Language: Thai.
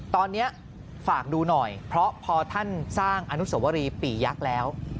ตอนนี้ฝากดูหน่อยเพราะพอท่านสร้างอนุสวรีปียักษ์แล้ว